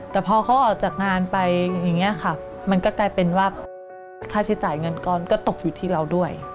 แต่พอเขาออกจากงานไปอย่างนี้ค่ะมันก็กลายเป็นว่าค่าใช้จ่ายเงินก้อนก็ตกอยู่ที่เราด้วย